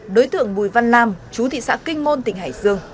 đối tượng bùi văn lam chú thị xã kinh môn tỉnh hải dương